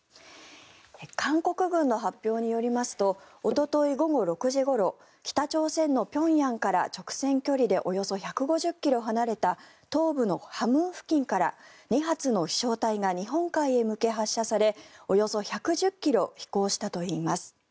韓国軍の発表によりますとおととい午後６時ごろ北朝鮮の平壌から直線距離でおよそ１５０ｋｍ離れた東部のハムン付近から２発の飛翔体が日本海へ向け発射されおよそ１１０ｋｍ飛行したといいます。